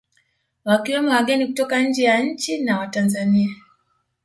Wakiwemo wageni kutoka nje ya nchi na Watanzania